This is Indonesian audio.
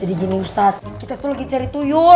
jadi gini ustadz kita tuh lagi cari tuyul